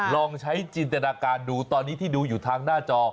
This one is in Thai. ลองใช้จินตนาการดูตอนนี้ที่ดูอยู่ทางหน้าจอ